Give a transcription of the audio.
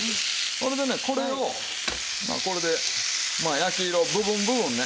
それでねこれをまあこれで焼き色部分部分ね。